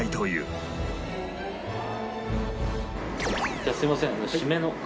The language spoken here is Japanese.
じゃあすいません。